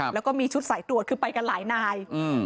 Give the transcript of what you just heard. แล้วก็มีชุดสายตรวจคือไปกันหลายนาย